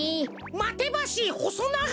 マテバシイほそなが！